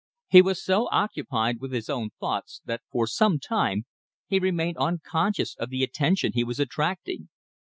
He was so occupied with his own thoughts that for some time he remained unconscious of the attention he was attracting.